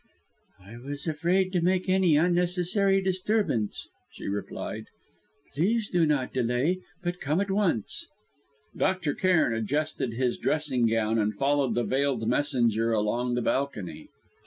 "I was afraid to make any unnecessary disturbance," she replied. "Please do not delay, but come at once." Dr. Cairn adjusted his dressing gown, and followed the veiled messenger along the balcony.